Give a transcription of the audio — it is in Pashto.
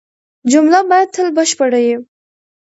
جمله باید تل بشپړه يي.